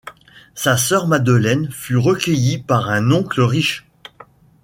Sa sœur Madeleine fut recueillie par un oncle riche.